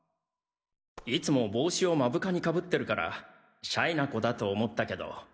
いつも帽子を目深に被ってるからシャイな子だと思ったけど。